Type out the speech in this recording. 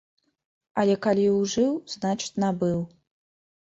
Але калі ужыў, значыць, набыў.